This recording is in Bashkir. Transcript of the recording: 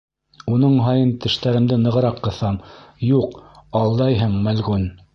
Уның һайын тештәремде нығыраҡ ҡыҫам: «Юҡ, алдайһың, мәлғүн!»